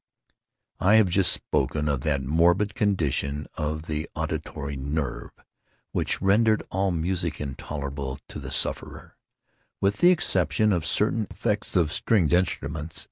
I have just spoken of that morbid condition of the auditory nerve which rendered all music intolerable to the sufferer, with the exception of certain effects of stringed instruments.